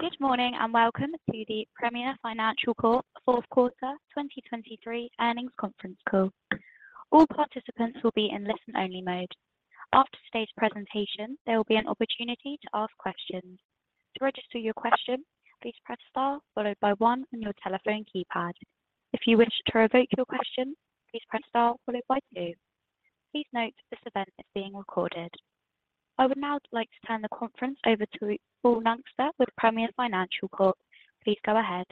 Good morning, and welcome to the Premier Financial Corp. fourth quarter 2023 earnings conference call. All participants will be in listen-only mode. After today's presentation, there will be an opportunity to ask questions. To register your question, please press star followed by one on your telephone keypad. If you wish to revoke your question, please press star followed by two. Please note, this event is being recorded. I would now like to turn the conference over to Paul Nungester with Premier Financial Corp. Please go ahead.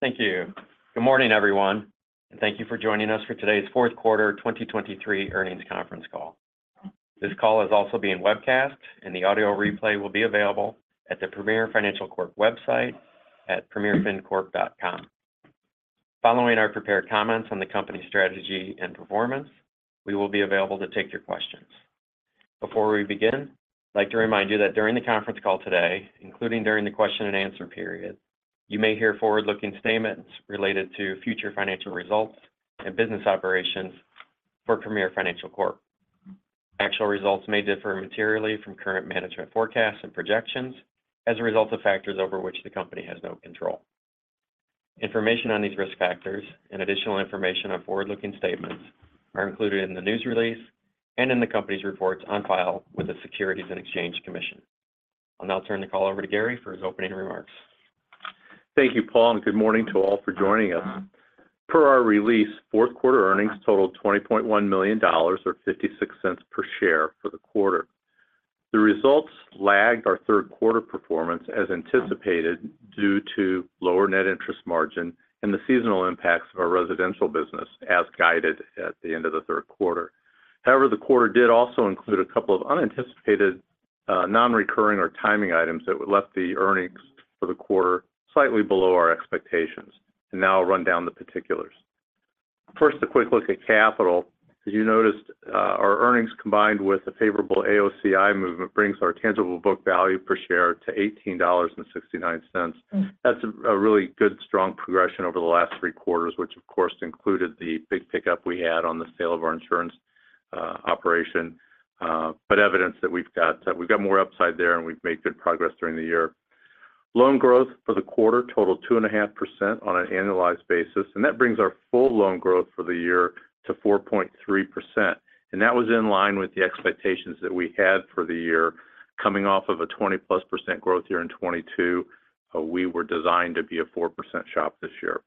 Thank you. Good morning, everyone, and thank you for joining us for today's fourth quarter 2023 earnings conference call. This call is also being webcast, and the audio replay will be available at the Premier Financial Corp. website at premierfincorp.com. Following our prepared comments on the company's strategy and performance, we will be available to take your questions. Before we begin, I'd like to remind you that during the conference call today, including during the question and answer period, you may hear forward-looking statements related to future financial results and business operations for Premier Financial Corp. Actual results may differ materially from current management forecasts and projections as a result of factors over which the company has no control. Information on these risk factors and additional information on forward-looking statements are included in the news release and in the company's reports on file with the Securities and Exchange Commission. I'll now turn the call over to Gary for his opening remarks. Thank you, Paul, and good morning to all for joining us. Per our release, fourth quarter earnings totaled $20.1 million or 56 cents per share for the quarter. The results lagged our third quarter performance as anticipated, due to lower net interest margin and the seasonal impacts of our residential business as guided at the end of the third quarter. However, the quarter did also include a couple of unanticipated, non-recurring or timing items that left the earnings for the quarter slightly below our expectations, and now I'll run down the particulars. First, a quick look at capital. As you noticed, our earnings combined with a favorable AOCI movement brings our tangible book value per share to $18.69. That's a really good, strong progression over the last three quarters, which of course included the big pickup we had on the sale of our insurance operation. But evidence that we've got that we've got more upside there, and we've made good progress during the year. Loan growth for the quarter totaled 2.5% on an annualized basis, and that brings our full loan growth for the year to 4.3%. And that was in line with the expectations that we had for the year. Coming off of a 20+% growth year in 2022, we were designed to be a 4% shop this year.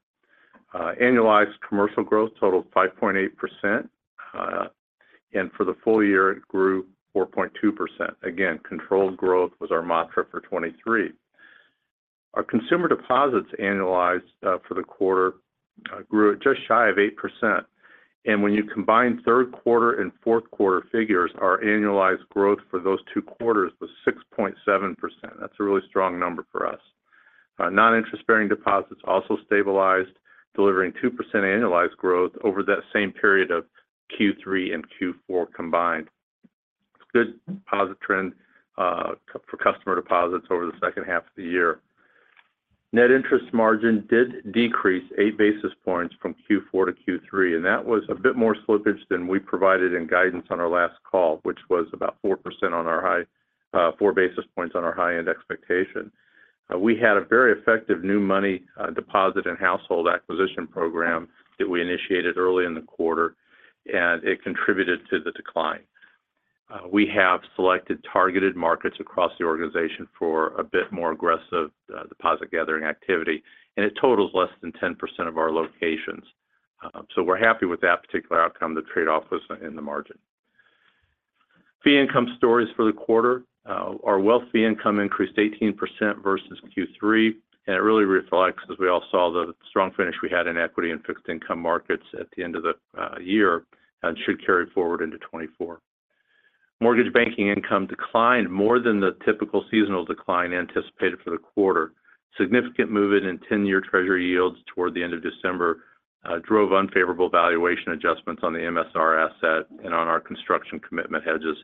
Annualized commercial growth totaled 5.8%, and for the full year, it grew 4.2%. Again, controlled growth was our mantra for 2023. Our consumer deposits annualized for the quarter grew at just shy of 8%. And when you combine third quarter and fourth quarter figures, our annualized growth for those two quarters was 6.7%. That's a really strong number for us. Non-interest-bearing deposits also stabilized, delivering 2% annualized growth over that same period of Q3 and Q4 combined. Good deposit trend for customer deposits over the second half of the year. Net interest margin did decrease 8 basis points from Q4 to Q3, and that was a bit more slippage than we provided in guidance on our last call, which was about four percent on our high-- four basis points on our high-end expectation. We had a very effective new money deposit and household acquisition program that we initiated early in the quarter, and it contributed to the decline. We have selected targeted markets across the organization for a bit more aggressive deposit gathering activity, and it totals less than 10% of our locations. So we're happy with that particular outcome. The trade-off was in the margin. Fee income stories for the quarter. Our wealth fee income increased 18% versus Q3, and it really reflects, as we all saw, the strong finish we had in equity and fixed income markets at the end of the year and should carry forward into 2024. Mortgage banking income declined more than the typical seasonal decline anticipated for the quarter. Significant movement in ten-year Treasury yields toward the end of December drove unfavorable valuation adjustments on the MSR asset and on our construction commitment hedges.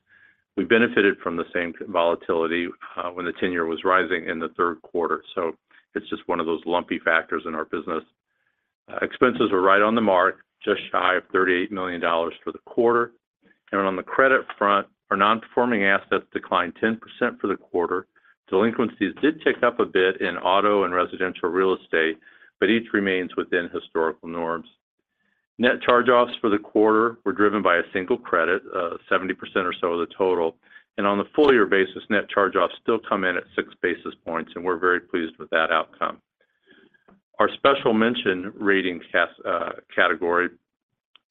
We benefited from the same volatility when the ten-year was rising in the third quarter. So it's just one of those lumpy factors in our business. Expenses were right on the mark, just shy of $38 million for the quarter. On the credit front, our non-performing assets declined 10% for the quarter. Delinquencies did tick up a bit in auto and residential real estate, but each remains within historical norms. Net charge-offs for the quarter were driven by a single credit, 70% or so of the total, and on the full year basis, net charge-offs still come in at six basis points, and we're very pleased with that outcome. Our special mention rating category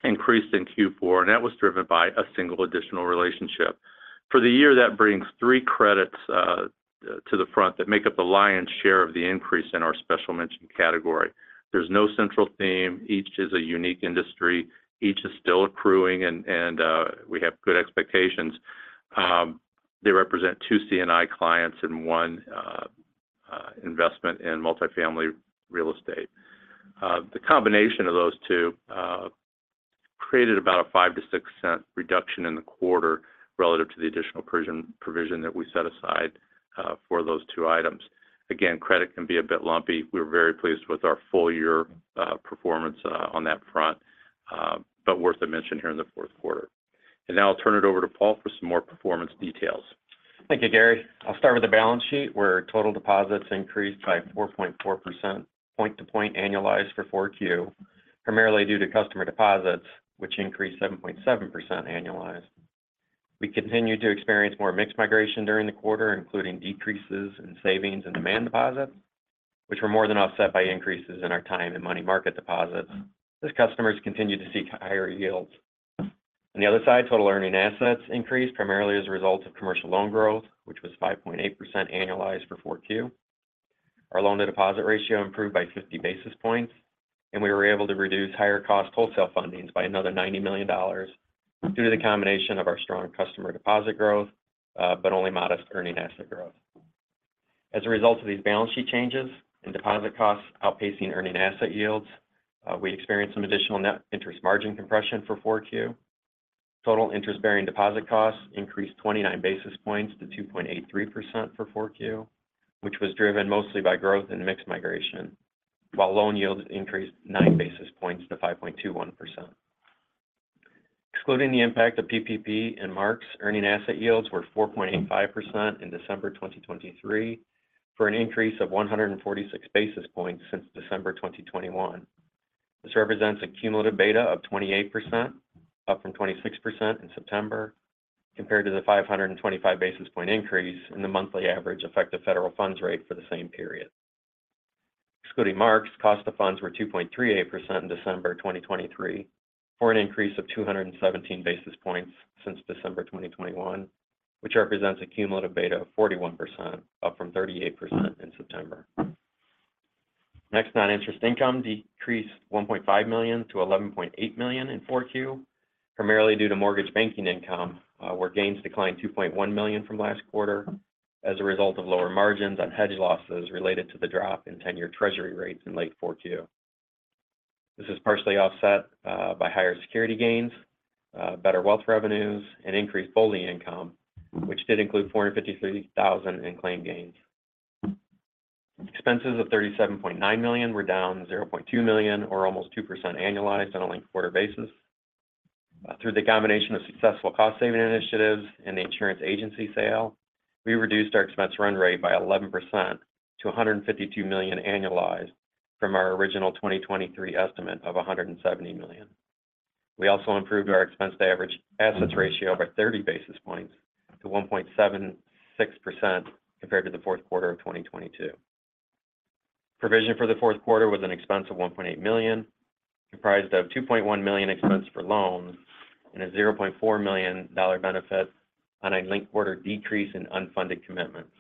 increased in Q4, and that was driven by a single additional relationship. For the year, that brings three credits to the front that make up the lion's share of the increase in our special mention category. There's no central theme. Each is a unique industry. Each is still accruing, and we have good expectations. They represent two C&I clients and one investment in multifamily real estate. The combination of those two created about a $0.05-$0.06 reduction in the quarter relative to the additional provision that we set aside for those two items. Again, credit can be a bit lumpy. We're very pleased with our full year performance on that front, but worth a mention here in the fourth quarter... And now I'll turn it over to Paul for some more performance details. Thank you, Gary. I'll start with the balance sheet, where total deposits increased by 4.4%, point-to-point annualized for 4Q, primarily due to customer deposits, which increased 7.7% annualized. We continued to experience more mixed migration during the quarter, including decreases in savings and demand deposits, which were more than offset by increases in our time and money market deposits, as customers continued to seek higher yields. On the other side, total earning assets increased primarily as a result of commercial loan growth, which was 5.8% annualized for 4Q. Our loan-to-deposit ratio improved by 50 basis points, and we were able to reduce higher cost wholesale fundings by another $90 million due to the combination of our strong customer deposit growth, but only modest earning asset growth. As a result of these balance sheet changes and deposit costs outpacing earning asset yields, we experienced some additional net interest margin compression for 4Q. Total interest-bearing deposit costs increased 29 basis points to 2.83% for 4Q, which was driven mostly by growth in mixed migration, while loan yields increased nine basis points to 5.21%. Excluding the impact of PPP and MSRs, earning asset yields were 4.85% in December 2023, for an increase of 146 basis points since December 2021. This represents a cumulative beta of 28%, up from 26% in September, compared to the 525 basis point increase in the monthly average effective federal funds rate for the same period. Excluding Marks, cost of funds were 2.38% in December 2023, for an increase of 217 basis points since December 2021, which represents a cumulative beta of 41%, up from 38% in September. Next, non-interest income decreased $1.5 million to $11.8 million in 4Q, primarily due to mortgage banking income, where gains declined $2.1 million from last quarter as a result of lower margins on hedge losses related to the drop in 10-year Treasury rates in late 4Q. This is partially offset by higher security gains, better wealth revenues, and increased BOLI income, which did include $453,000 in claim gains. Expenses of $37.9 million were down $0.2 million or almost 2% annualized on a linked quarter basis. Through the combination of successful cost-saving initiatives and the insurance agency sale, we reduced our expense run rate by 11% to $152 million annualized from our original 2023 estimate of $170 million. We also improved our expense-to-average assets ratio by 30 basis points to 1.76% compared to the fourth quarter of 2022. Provision for the fourth quarter was an expense of $1.8 million, comprised of $2.1 million expense for loans and a $0.4 million benefit on a linked quarter decrease in unfunded commitments.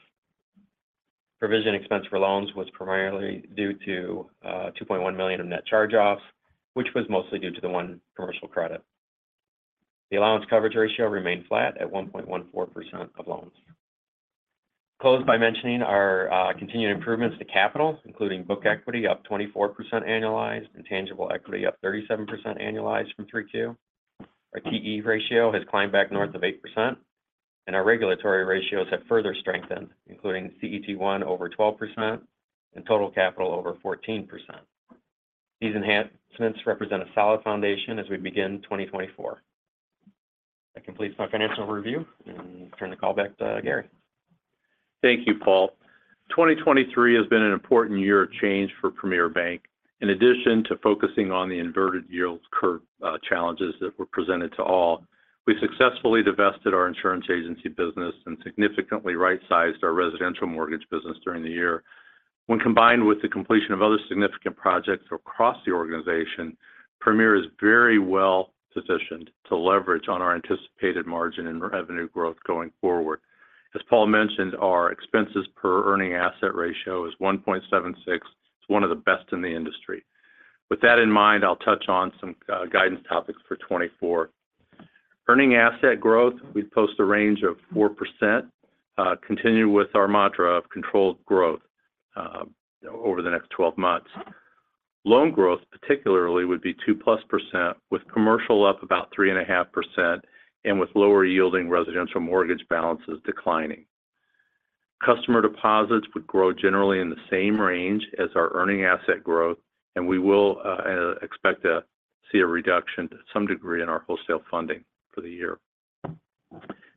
Provision expense for loans was primarily due to $2.1 million of net charge-offs, which was mostly due to the one commercial credit. The allowance coverage ratio remained flat at 1.14% of loans. Closed by mentioning our continued improvements to capital, including book equity, up 24% annualized, and tangible equity, up 37% annualized from 32%. Our TE ratio has climbed back north of 8%, and our regulatory ratios have further strengthened, including CET1 over 12% and total capital over 14%. These enhancements represent a solid foundation as we begin 2024. That completes my financial review, and turn the call back to Gary. Thank you, Paul. 2023 has been an important year of change for Premier Bank. In addition to focusing on the inverted yield curve, challenges that were presented to all, we successfully divested our insurance agency business and significantly right-sized our residential mortgage business during the year. When combined with the completion of other significant projects across the organization, Premier is very well positioned to leverage on our anticipated margin and revenue growth going forward. As Paul mentioned, our expenses per earning asset ratio is 1.76. It's one of the best in the industry. With that in mind, I'll touch on some guidance topics for 2024. Earning asset growth, we post a range of 4%, continuing with our mantra of controlled growth, over the next 12 months. Loan growth, particularly, would be 2%+, with commercial up about 3.5%, and with lower yielding residential mortgage balances declining. Customer deposits would grow generally in the same range as our earning asset growth, and we will expect to see a reduction to some degree in our wholesale funding for the year.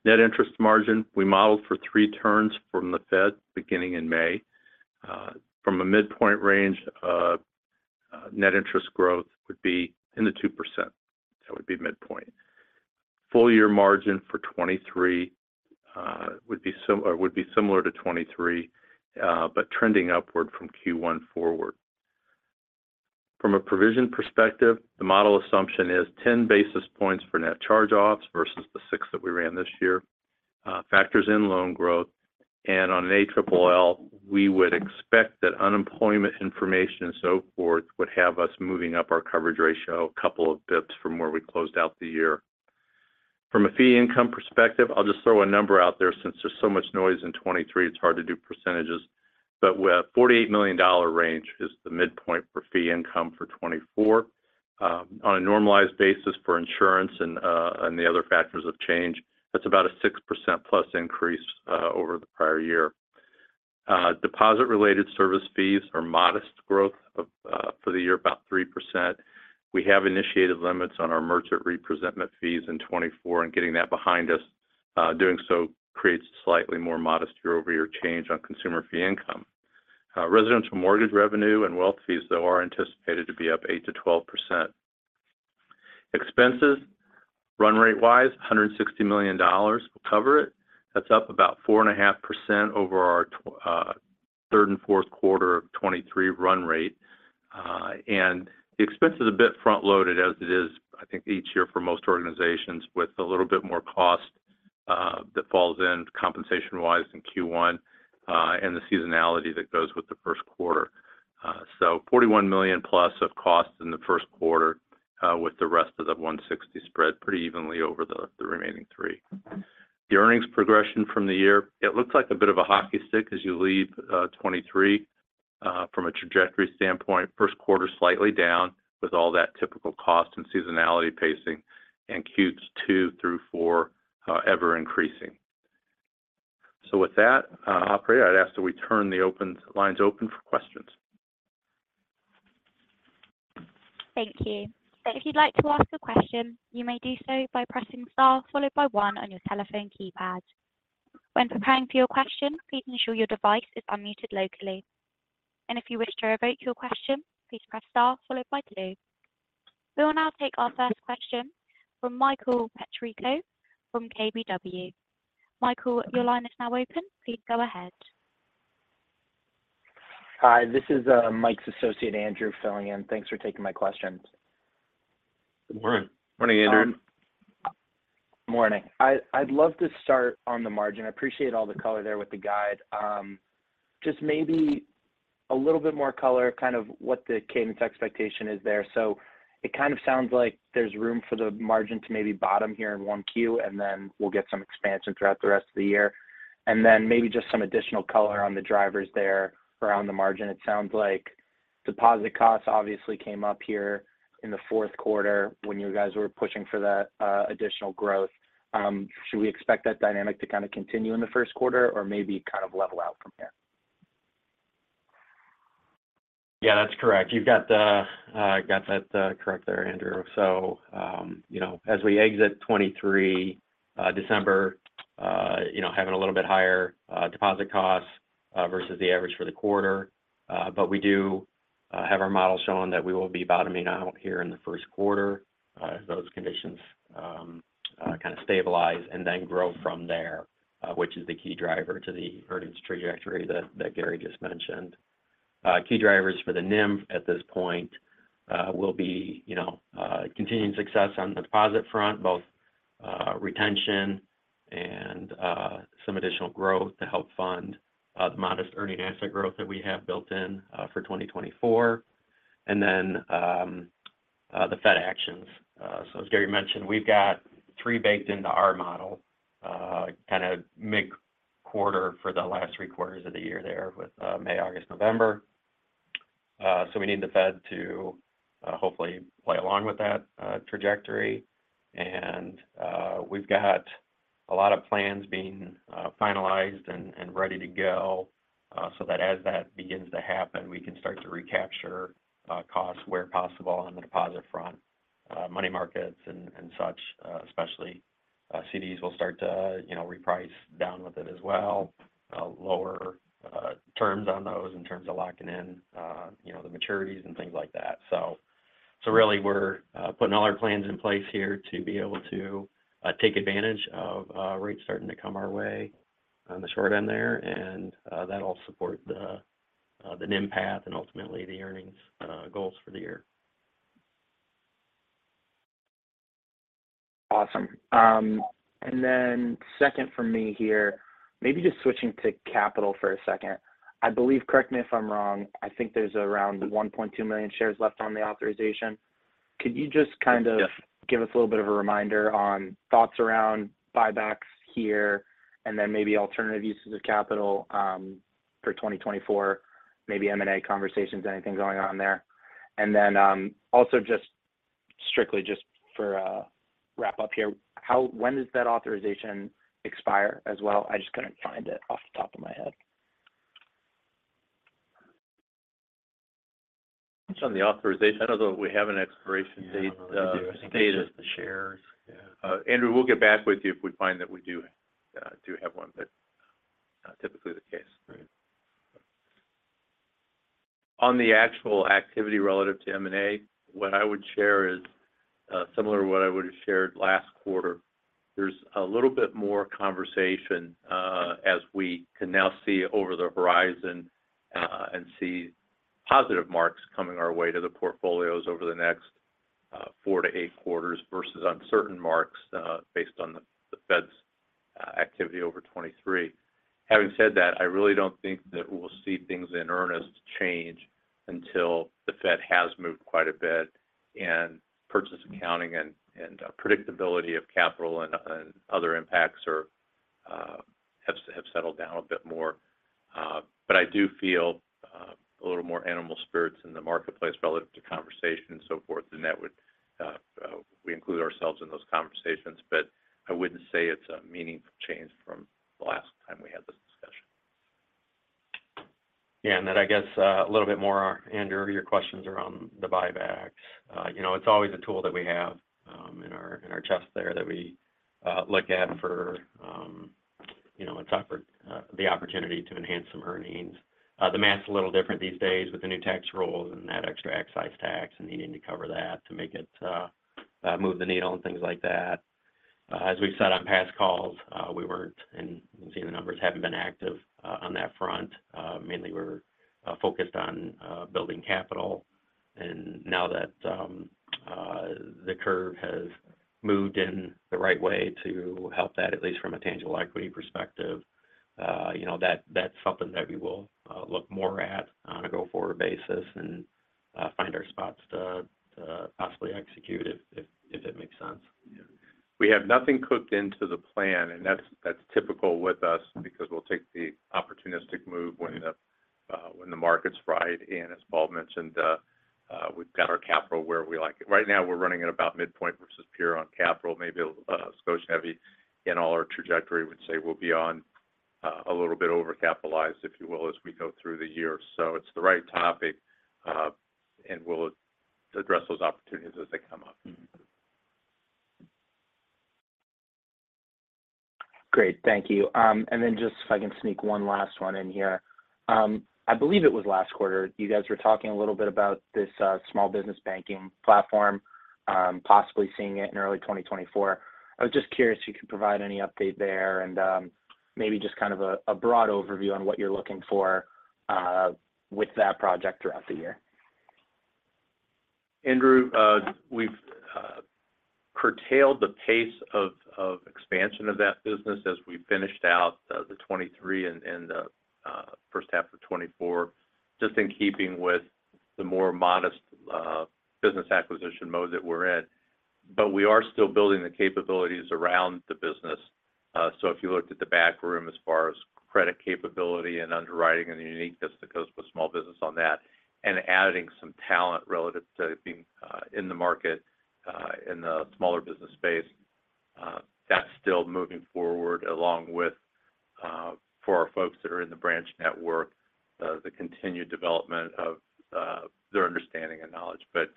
Net interest margin, we modeled for three turns from the Fed beginning in May. From a midpoint range of, net interest growth would be in the 2%. That would be midpoint. Full year margin for 2023 would be similar to 2023, but trending upward from Q1 forward. From a provision perspective, the model assumption is 10 basis points for net charge-offs versus the six that we ran this year, factors in loan growth, and on an ALL, we would expect that unemployment information and so forth would have us moving up our coverage ratio a couple of basis points from where we closed out the year. From a fee income perspective, I'll just throw a number out there. Since there's so much noise in 2023, it's hard to do percentages, but we have $48 million dollar range is the midpoint for fee income for 2024. On a normalized basis for insurance and the other factors of change, that's about a 6%+ increase over the prior year. Deposit-related service fees are modest growth of, for the year, about 3%. We have initiated limits on our merchant representment fees in 2024 and getting that behind us. Doing so creates a slightly more modest year-over-year change on consumer fee income. Residential mortgage revenue and wealth fees, though, are anticipated to be up 8%-12%. Expenses, run rate-wise, $160 million will cover it. That's up about 4.5% over our third and fourth quarter of 2023 run rate. And the expense is a bit front-loaded as it is, I think, each year for most organizations, with a little bit more cost that falls in compensation-wise in Q1, and the seasonality that goes with the first quarter. So $41 million+ of costs in the first quarter, with the rest of the 160 spread pretty evenly over the remaining three. The earnings progression from the year, it looks like a bit of a hockey stick as you leave 2023 from a trajectory standpoint. First quarter, slightly down, with all that typical cost and seasonality pacing, and Q2 through Q4 ever increasing. So with that, operator, I'd ask that we turn the open-lines open for questions. Thank you. So if you'd like to ask a question, you may do so by pressing star followed by one on your telephone keypad. When preparing for your question, please ensure your device is unmuted locally. And if you wish to revoke your question, please press star followed by two. We will now take our first question from Michael Perito from KBW. Michael, your line is now open. Please go ahead. Hi, this is Mike's associate, Andrew, filling in. Thanks for taking my questions. Good morning. Morning, Andrew. Morning. I'd love to start on the margin. I appreciate all the color there with the guide. Just maybe a little bit more color, kind of what the cadence expectation is there. So it kind of sounds like there's room for the margin to maybe bottom here in 1Q, and then we'll get some expansion throughout the rest of the year. And then maybe just some additional color on the drivers there around the margin. It sounds like deposit costs obviously came up here in the fourth quarter when you guys were pushing for that additional growth. Should we expect that dynamic to kind of continue in the first quarter or maybe kind of level out from here? Yeah, that's correct. You've got that correct there, Andrew. So, you know, as we exit 2023, December, you know, having a little bit higher deposit costs versus the average for the quarter. But we do have our model showing that we will be bottoming out here in the first quarter as those conditions kind of stabilize and then grow from there, which is the key driver to the earnings trajectory that Gary just mentioned. Key drivers for the NIM at this point will be, you know, continuing success on the deposit front, both retention and some additional growth to help fund the modest earning asset growth that we have built in for 2024, and then the Fed actions. So as Gary mentioned, we've got three baked into our model, kind of mid-quarter for the last three quarters of the year there with May, August, November. So we need the Fed to hopefully play along with that trajectory. And we've got a lot of plans being finalized and ready to go, so that as that begins to happen, we can start to recapture costs where possible on the deposit front, money markets and such, especially CDs will start to, you know, reprice down with it as well, lower terms on those in terms of locking in, you know, the maturities and things like that. So really, we're putting all our plans in place here to be able to take advantage of rates starting to come our way on the short end there, and that'll support the NIM path and ultimately the earnings goals for the year. Awesome. And then second for me here, maybe just switching to capital for a second. I believe, correct me if I'm wrong, I think there's around 1.2 million shares left on the authorization. Could you just kind of- Yes... give us a little bit of a reminder on thoughts around buybacks here and then maybe alternative uses of capital, for 2024, maybe M&A conversations, anything going on there? And then, also just strictly just for a wrap-up here, how, when does that authorization expire as well? I just couldn't find it off the top of my head. It's on the authorization. I don't know that we have an expiration date. I think it's just the shares. Yeah. Andrew, we'll get back with you if we find that we do have one, but not typically the case. Right. On the actual activity relative to M&A, what I would share is, similar to what I would have shared last quarter. There's a little bit more conversation, as we can now see over the horizon, and see positive marks coming our way to the portfolios over the next, four to eight quarters versus uncertain marks, based on the Fed's activity over 2023. Having said that, I really don't think that we'll see things in earnest change until the Fed has moved quite a bit, and purchase accounting and predictability of capital and other impacts have settled down a bit more. But I do feel-... A little more animal spirits in the marketplace relative to conversation and so forth, and that would, we include ourselves in those conversations, but I wouldn't say it's a meaningful change from the last time we had this discussion. Yeah, and then I guess, a little bit more, Andrew, your questions around the buyback. You know, it's always a tool that we have in our, in our chest there that we look at for, you know, a tougher the opportunity to enhance some earnings. The math's a little different these days with the new tax rules and that extra excise tax, and needing to cover that to make it move the needle and things like that. As we've said on past calls, we weren't, and you can see the numbers, haven't been active on that front. Mainly, we're focused on building capital. And now that the curve has moved in the right way to help that, at least from a Tangible Equity perspective, you know, that's something that we will look more at on a go-forward basis and find our spots to possibly execute if it makes sense. Yeah. We have nothing cooked into the plan, and that's, that's typical with us because we'll take the opportunistic move when the market's right. And as Paul mentioned, we've got our capital where we like it. Right now, we're running at about midpoint versus peer on capital. Maybe, skosh heavy in all our trajectory would say we'll be on, a little bit overcapitalized, if you will, as we go through the year. So it's the right topic, and we'll address those opportunities as they come up. Mm-hmm. Great. Thank you. And then just if I can sneak one last one in here. I believe it was last quarter, you guys were talking a little bit about this, small business banking platform, possibly seeing it in early 2024. I was just curious if you could provide any update there and, maybe just kind of a broad overview on what you're looking for, with that project throughout the year. Andrew, we've curtailed the pace of expansion of that business as we finished out the 2023 and the first half of 2024, just in keeping with the more modest business acquisition mode that we're in. But we are still building the capabilities around the business. So if you looked at the backroom as far as credit capability and underwriting and the uniqueness that goes with small business on that, and adding some talent relative to being in the market in the smaller business space, that's still moving forward, along with for our folks that are in the branch network the continued development of their understanding and knowledge. But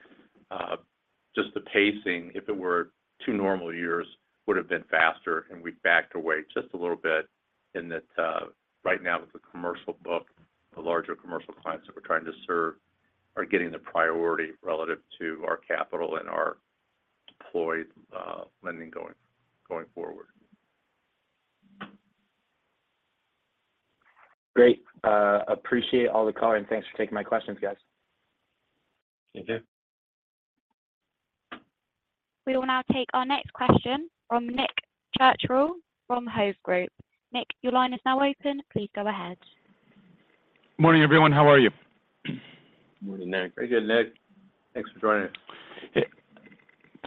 just the pacing, if it were two normal years, would have been faster, and we backed away just a little bit in that, right now with the commercial book, the larger commercial clients that we're trying to serve are getting the priority relative to our capital and our deployed, lending going, going forward. Great. Appreciate all the color, and thanks for taking my questions, guys. Thank you. We will now take our next question from Nick Cucharale from Hovde Group. Nick, your line is now open. Please go ahead. Morning, everyone. How are you? Morning, Nick. Very good, Nick. Thanks for joining us.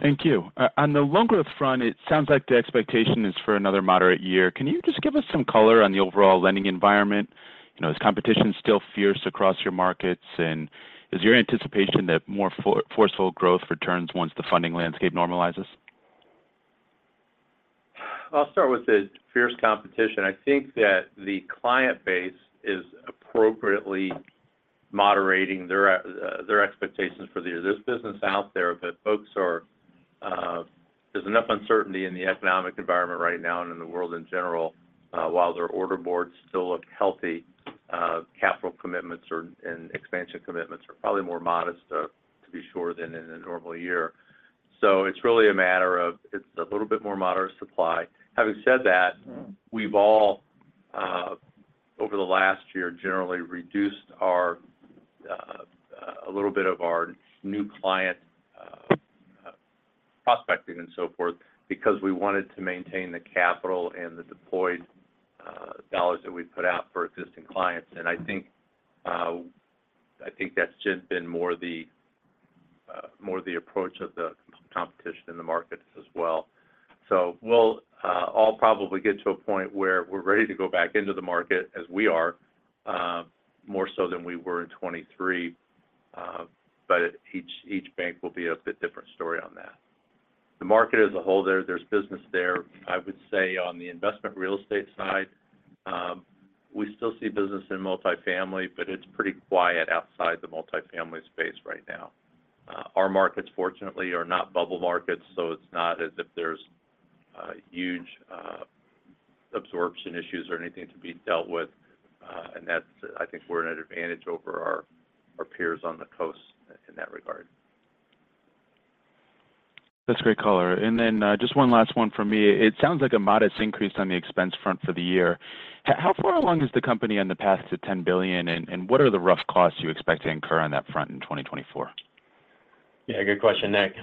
Thank you. On the loan growth front, it sounds like the expectation is for another moderate year. Can you just give us some color on the overall lending environment? You know, is competition still fierce across your markets? Is your anticipation that more forceful growth returns once the funding landscape normalizes? I'll start with the fierce competition. I think that the client base is appropriately moderating their expectations for the year. There's business out there, but folks are-- there's enough uncertainty in the economic environment right now and in the world in general, while their order boards still look healthy, capital commitments or and expansion commitments are probably more modest, to be sure, than in a normal year. So it's really a matter of it's a little bit more moderate supply. Having said that, we've all, over the last year, generally reduced our, a little bit of our new client, prospecting and so forth because we wanted to maintain the capital and the deployed, dollars that we put out for existing clients. I think, I think that's just been more the, more the approach of the competition in the markets as well. So we'll, all probably get to a point where we're ready to go back into the market as we are, more so than we were in 2023. But each, each bank will be a bit different story on that. The market as a whole, there's business there. I would say on the investment real estate side, we still see business in multifamily, but it's pretty quiet outside the multifamily space right now. Our markets, fortunately, are not bubble markets, so it's not as if there's, huge, absorption issues or anything to be dealt with. And that's-- I think we're at an advantage over our, our peers on the coast in that regard. That's great color. And then, just one last one for me. It sounds like a modest increase on the expense front for the year. How far along is the company on the path to $10 billion, and what are the rough costs you expect to incur on that front in 2024? Yeah, good question, Nick.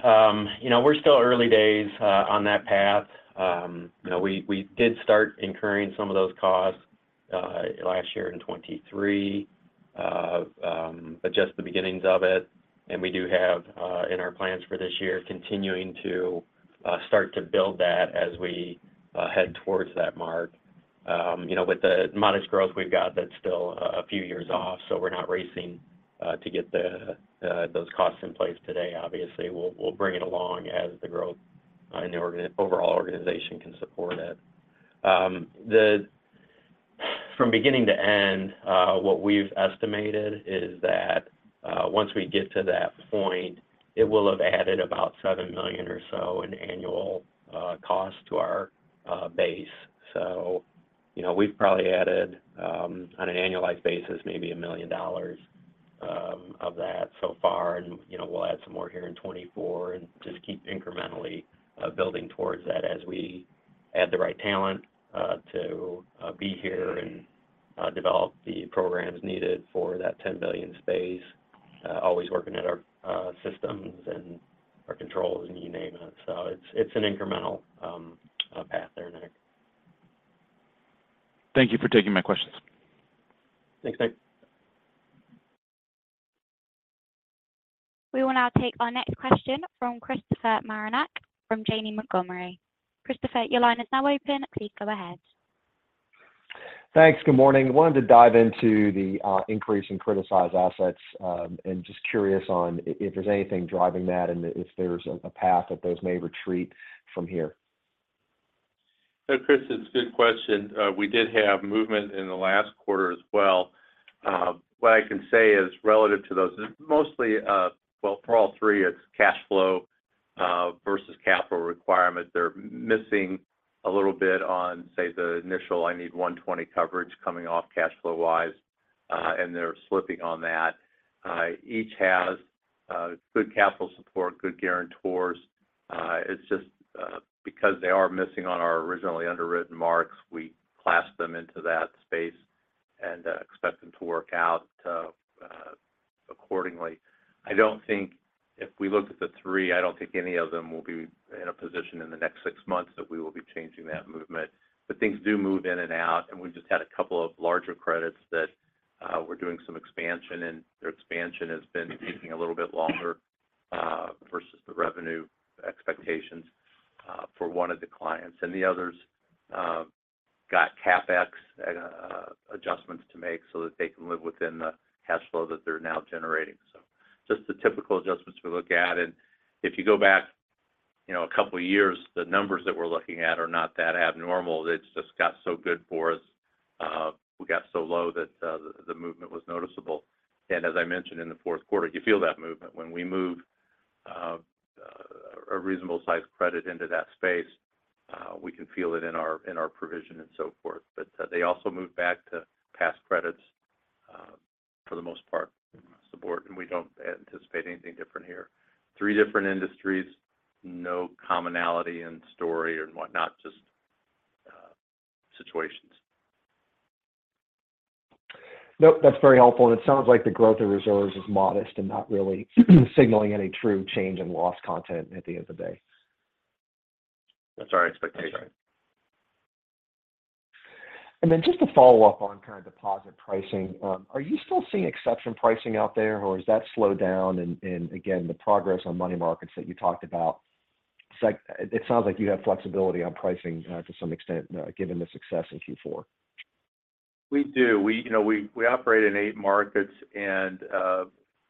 You know, we're still early days on that path. You know, we did start incurring some of those costs last year in 2023, but just the beginnings of it, and we do have in our plans for this year, continuing to start to build that as we head towards that mark. You know, with the modest growth we've got, that's still a few years off, so we're not racing to get those costs in place today. Obviously, we'll bring it along as the growth in the overall organization can support it. From beginning to end, what we've estimated is that, once we get to that point, it will have added about $7 million or so in annual cost to our base. So, you know, we've probably added, on an annualized basis, maybe $1 million of that so far, and, you know, we'll add some more here in 2024 and just keep incrementally building towards that as we add the right talent to be here and develop the programs needed for that $10 billion space. Always working at our systems and our controls, and you name it. So it's, it's an incremental path there, Nick. Thank you for taking my questions. Thanks, Nick. We will now take our next question from Christopher Marinac from Janney Montgomery. Christopher, your line is now open. Please go ahead. Thanks. Good morning. Wanted to dive into the increase in criticized assets, and just curious on if there's anything driving that and if there's a path that those may retreat from here. So, Chris, it's a good question. We did have movement in the last quarter as well. What I can say is relative to those, mostly, well, for all three, it's cash flow versus capital requirements. They're missing a little bit on, say, the initial, "I need 120 coverage," coming off cash flow-wise, and they're slipping on that. Each has good capital support, good guarantors. It's just, because they are missing on our originally underwritten marks, we class them into that space and expect them to work out accordingly. I don't think if we looked at the three, I don't think any of them will be in a position in the next six months, that we will be changing that movement. But things do move in and out, and we've just had a couple of larger credits that we're doing some expansion, and their expansion has been taking a little bit longer versus the revenue expectations for one of the clients. And the others got CapEx and adjustments to make so that they can live within the cash flow that they're now generating. So just the typical adjustments we look at, and if you go back, you know, a couple of years, the numbers that we're looking at are not that abnormal. It's just got so good for us. We got so low that the movement was noticeable. And as I mentioned in the fourth quarter, you feel that movement. When we move a reasonable-sized credit into that space, we can feel it in our provision and so forth. But, they also moved back to past credits, for the most part, support, and we don't anticipate anything different here. Three different industries, no commonality in story and whatnot, just, situations. Nope, that's very helpful, and it sounds like the growth of reserves is modest and not really signaling any true change in loss content at the end of the day. That's our expectation. Then just to follow up on current deposit pricing, are you still seeing exception pricing out there, or has that slowed down? And again, the progress on money markets that you talked about, it sounds like you have flexibility on pricing, to some extent, given the success in Q4. We do. We, you know, we operate in eight markets, and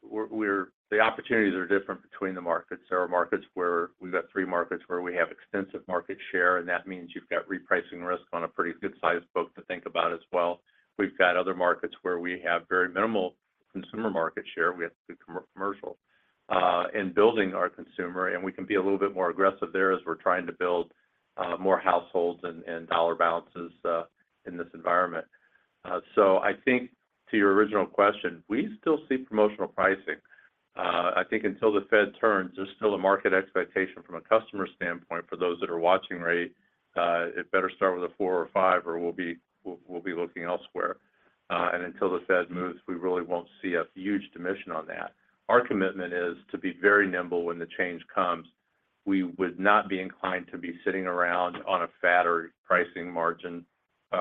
we're the opportunities are different between the markets. There are three markets where we have extensive market share, and that means you've got repricing risk on a pretty good-sized book to think about as well. We've got other markets where we have very minimal consumer market share. We have good commercial in building our consumer, and we can be a little bit more aggressive there as we're trying to build more households and dollar balances in this environment. So I think to your original question, we still see promotional pricing. I think until the Fed turns, there's still a market expectation from a customer standpoint for those that are watching rate. It better start with a four or five, or we'll be looking elsewhere. And until the Fed moves, we really won't see a huge diminution on that. Our commitment is to be very nimble when the change comes. We would not be inclined to be sitting around on a fatter pricing margin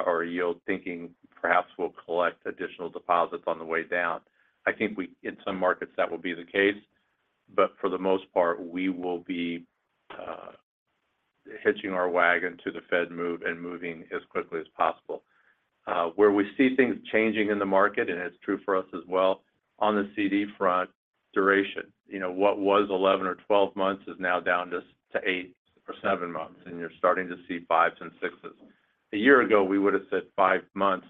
or yield, thinking perhaps we'll collect additional deposits on the way down. I think in some markets, that will be the case, but for the most part, we will be hitching our wagon to the Fed move and moving as quickly as possible. Where we see things changing in the market, and it's true for us as well, on the CD front: duration. You know, what was 11 or 12 months is now down just to eight or seven months, and you're starting to see fives and sixes. A year ago, we would have said five months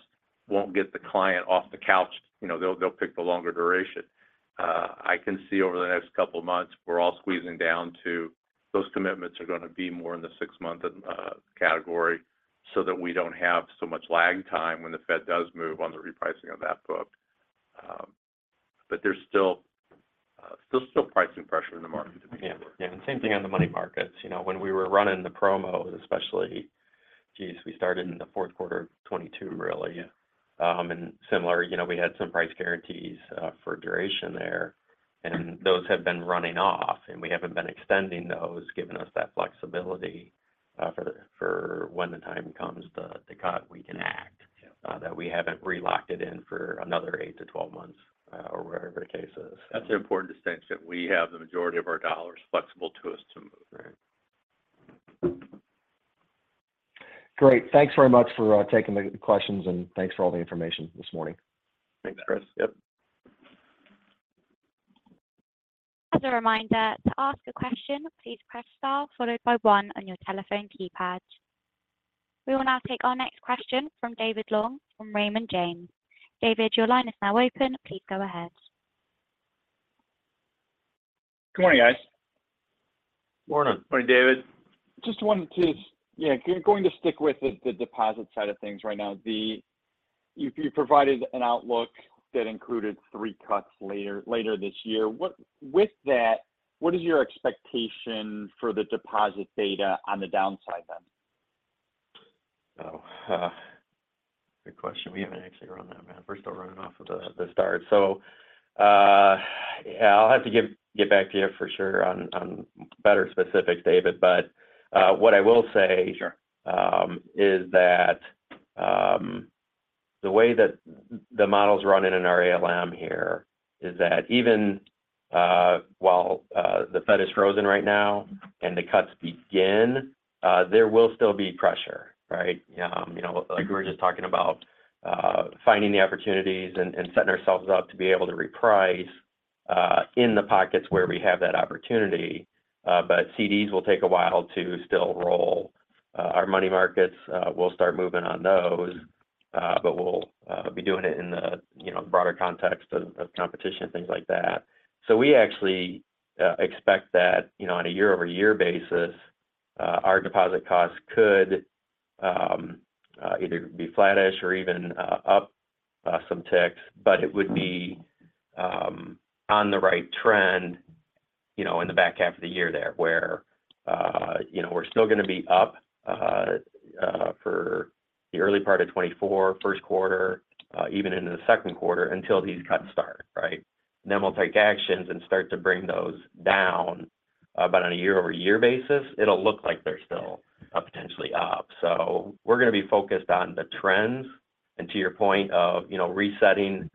won't get the client off the couch. You know, they'll, they'll pick the longer duration. I can see over the next couple of months, we're all squeezing down to those commitments are going to be more in the six-month category, so that we don't have so much lag time when the Fed does move on the repricing of that book. But there's still, still, still pricing pressure in the market. Yeah, yeah, and same thing on the money markets. You know, when we were running the promos, especially, geez, we started in the fourth quarter of 2022, really. And similar, you know, we had some price guarantees for duration there, and those have been running off, and we haven't been extending those, giving us that flexibility for when the time comes to cut, we can act that we haven't re-locked it in for another eight to 12 months, or whatever the case is. That's an important distinction. We have the majority of our dollars flexible to us to move, right? Great. Thanks very much for taking the questions, and thanks for all the information this morning. Thanks, Chris. Yep. As a reminder, to ask a question, please press star followed by one on your telephone keypad. We will now take our next question from David Long from Raymond James. David, your line is now open. Please go ahead. Good morning, guys. Morning. Morning, David. Just wanted to, yeah, going to stick with the deposit side of things right now. You provided an outlook that included three cuts later this year. With that, what is your expectation for the deposit beta on the downside then? Oh, good question. We haven't actually run that, man. We're still running off of the start. So, yeah, I'll have to get back to you for sure on better specifics, David. But, what I will say- Sure... is that the way that the models run in our ALM here is that even while the Fed is frozen right now and the cuts begin there will still be pressure, right? You know, like we were just talking about finding the opportunities and setting ourselves up to be able to reprice in the pockets where we have that opportunity. But CDs will take a while to still roll. Our money markets we'll start moving on those but we'll be doing it in the you know broader context of competition and things like that. So we actually expect that, you know, on a year-over-year basis, our deposit costs could either be flat-ish or even up some ticks, but it would be on the right trend, you know, in the back half of the year there, where, you know, we're still gonna be up for the early part of 2024, first quarter, even into the second quarter, until these cuts start, right? Then we'll take actions and start to bring those down. But on a year-over-year basis, it'll look like they're still potentially up. So we're gonna be focused on the trends and to your point of, you know, resetting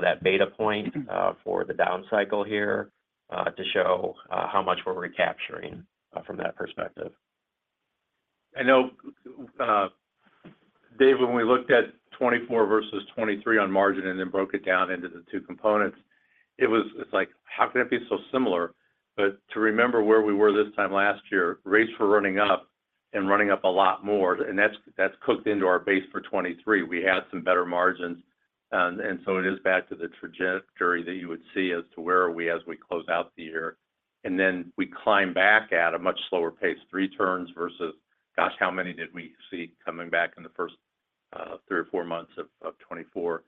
that beta point for the down cycle here to show how much we're recapturing from that perspective. I know, Dave, when we looked at 2024 versus 2023 on margin and then broke it down into the two components, it was, it's like: How can it be so similar? But to remember where we were this time last year, rates were running up and running up a lot more, and that's, that's cooked into our base for 2023. We had some better margins. And so it is back to the trajectory that you would see as to where are we as we close out the year, and then we climb back at a much slower pace, three turns versus, gosh, how many did we see coming back in the first three or four months of 2024?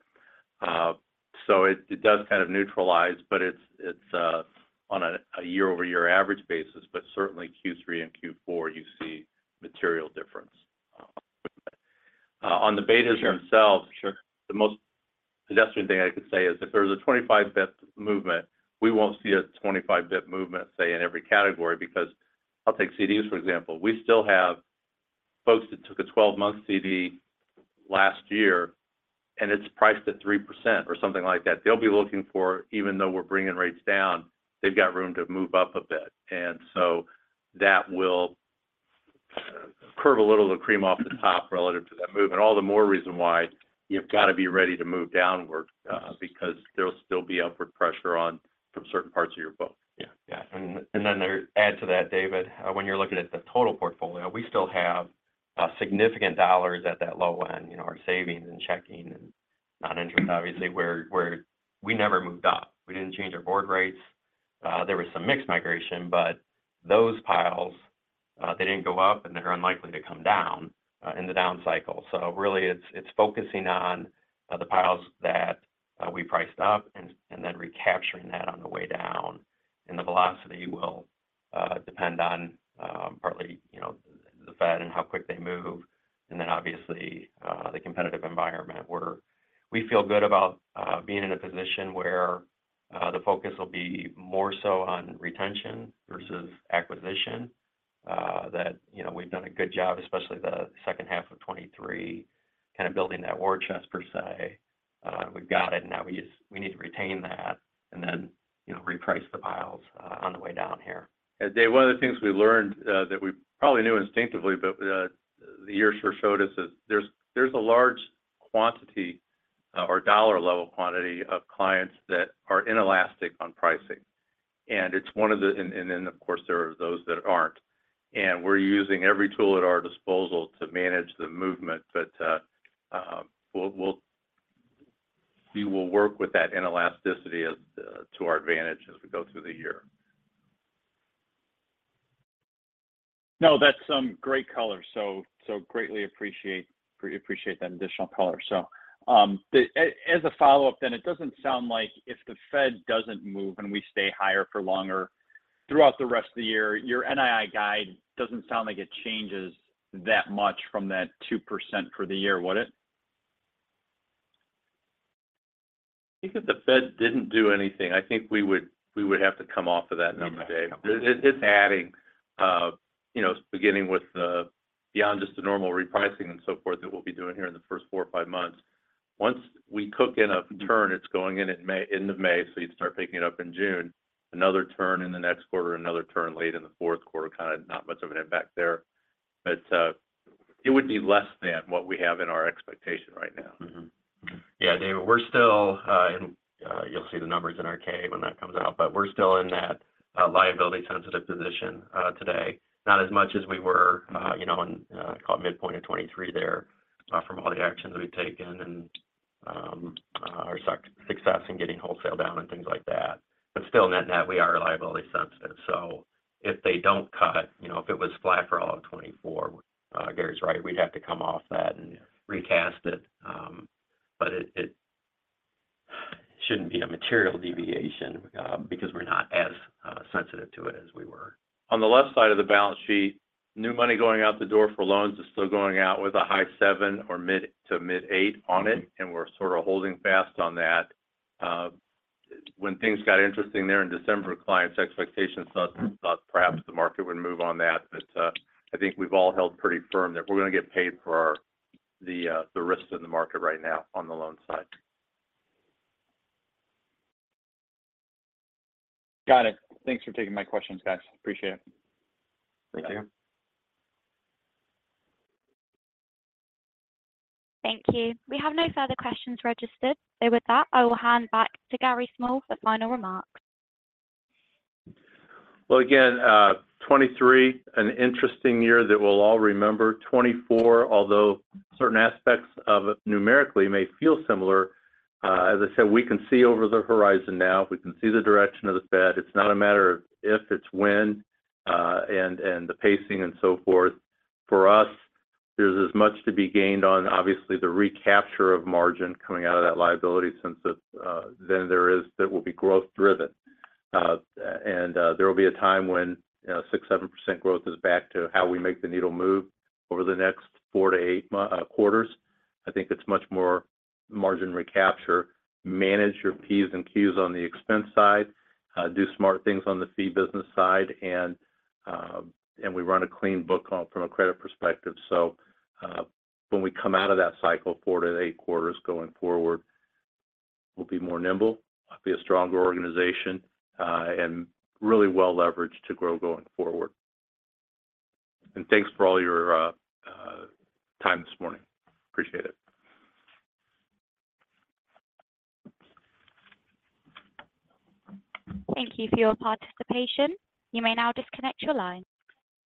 So it does kind of neutralize, but it's on a year-over-year average basis, but certainly Q3 and Q4, you see material difference on the betas themselves. Sure. The most pedestrian thing I could say is if there was a 25 basis point movement, we won't see a 25 basis point movement, say, in every category because... I'll take CDs, for example. We still have folks that took a 12-month CD last year, and it's priced at 3% or something like that. They'll be looking for, even though we're bringing rates down, they've got room to move up a bit, and so that will curve a little of the cream off the top relative to that move. And all the more reason why you've got to be ready to move downward, because there'll be upward pressure on from certain parts of your book. Yeah. Yeah. And then add to that, David, when you're looking at the total portfolio, we still have significant dollars at that low end, you know, our savings and checking and non-interest, obviously, where we never moved up. We didn't change our board rates. There was some mix migration, but those piles, they didn't go up, and they're unlikely to come down in the down cycle. So really, it's focusing on the piles that we priced up and then recapturing that on the way down. And the velocity will depend on, partly, you know, the Fed and how quick they move, and then obviously the competitive environment, where we feel good about being in a position where the focus will be more so on retention versus acquisition. You know, we've done a good job, especially the second half of 2023, kind of building that war chest per se. We've got it, and now we just we need to retain that and then, you know, reprice the piles on the way down here. And Dave, one of the things we learned that we probably knew instinctively, but the years sure showed us, is there's a large quantity or dollar-level quantity of clients that are inelastic on pricing, and it's one of the... and then, of course, there are those that aren't. And we're using every tool at our disposal to manage the movement, but we will work with that inelasticity to our advantage as we go through the year. No, that's some great color, so, so greatly appreciate, appreciate that additional color. So, as a follow-up, then, it doesn't sound like if the Fed doesn't move, and we stay higher for longer throughout the rest of the year, your NII guide doesn't sound like it changes that much from that 2% for the year, would it?... I think if the Fed didn't do anything, I think we would have to come off of that number, Dave. It's adding, you know, beginning with the beyond just the normal repricing and so forth that we'll be doing here in the first four or five months. Once we cook in a turn, it's going in May, end of May, so you'd start picking it up in June, another turn in the next quarter, another turn late in the fourth quarter, kind of not much of an impact there. But it would be less than what we have in our expectation right now. Mm-hmm. Yeah, David, we're still, and you'll see the numbers in our 10-K when that comes out, but we're still in that liability-sensitive position today. Not as much as we were, you know, in call it midpoint of 2023 there, from all the actions we've taken and our success in getting wholesale down and things like that. But still, net-net, we are liability sensitive. So if they don't cut, you know, if it was flat for all of 2024, Gary's right, we'd have to come off that and recast it. But it shouldn't be a material deviation, because we're not as sensitive to it as we were. On the left side of the balance sheet, new money going out the door for loans is still going out with a high seven or mid to mid eight on it, and we're sort of holding fast on that. When things got interesting there in December, clients' expectations thought perhaps the market would move on that. But, I think we've all held pretty firm that we're going to get paid for the risks in the market right now on the loan side. Got it. Thanks for taking my questions, guys. Appreciate it. Thank you. Thank you. We have no further questions registered. So with that, I will hand back to Gary Small for final remarks. Well, again, 2023, an interesting year that we'll all remember. 2024, although certain aspects of it numerically may feel similar, as I said, we can see over the horizon now. We can see the direction of the Fed. It's not a matter of if, it's when, and the pacing and so forth. For us, there's as much to be gained on obviously the recapture of margin coming out of that liability sense of than there is that will be growth driven. And there will be a time when 6%-7% growth is back to how we make the needle move over the next four to eigth quarters. I think it's much more margin recapture, manage your P's and Q's on the expense side, do smart things on the fee business side, and, and we run a clean book on from a credit perspective. So, when we come out of that cycle, four to eight quarters going forward, we'll be more nimble, be a stronger organization, and really well-leveraged to grow going forward. And thanks for all your time this morning. Appreciate it. Thank you for your participation. You may now disconnect your line.